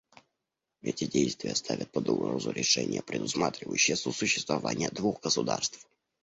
Эти действия ставят под угрозу решение, предусматривающее сосуществование двух государств.